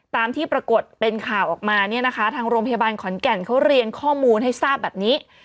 ตามที่ปรากฏเป็นข่าวออกมาเนี่ยนะคะทางโรงพยาบาลขอนแก่นเขาเรียนข้อมูลให้ทราบแบบนี้